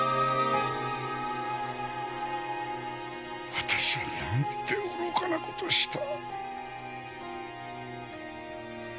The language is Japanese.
私はなんて愚かな事した。